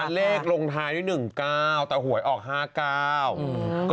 เหลือลงทายด้วย๑๙กรับแต่หวยออก๕กรับ